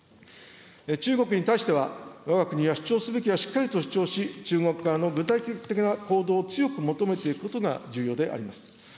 中国に対しては、わが国は主張すべきはしっかりと主張し、中国側の具体的な行動を強く求めていくことが重要であります。